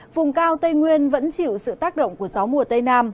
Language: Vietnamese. vùng cao tây nguyên vẫn chịu sự tác động của gió mùa tây nam